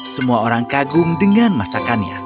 semua orang kagum dengan masakannya